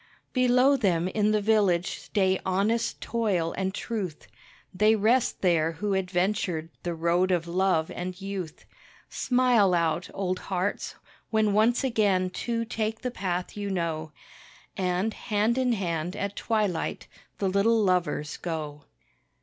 Below them in the village stay honest toil and truth, They rest there who adventured the road of love and youth. Smile out, old hearts, when once again two take the path you know, And, hand in hand, at twilight the little lovers go.